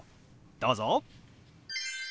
どうぞ。